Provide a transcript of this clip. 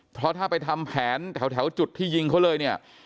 เพราะถ้าไปทำแผนแถวจุดที่ยิงเขาเลยเนี่ย